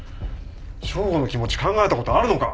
匠吾の気持ち考えたことあるのか？